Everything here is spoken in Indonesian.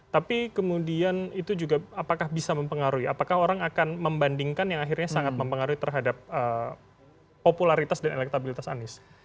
tapi kemudian itu juga apakah bisa mempengaruhi apakah orang akan membandingkan yang akhirnya sangat mempengaruhi terhadap popularitas dan elektabilitas anies